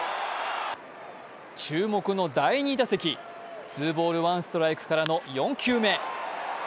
注目の第２打席、ツーボールワンストライクからの４球目。